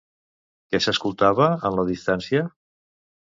Què s'escoltava en la distància?